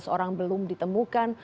tiga belas orang belum ditemukan